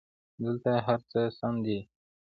دلته هرڅه سم دي